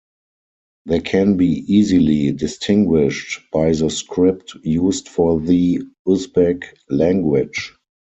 They can be easily distinguished by the script used for the Uzbek language.